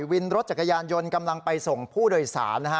วินรถจักรยานยนต์กำลังไปส่งผู้โดยสารนะฮะ